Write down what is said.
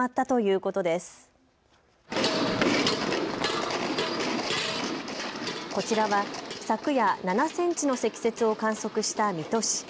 こちらは昨夜７センチの積雪を観測した水戸市。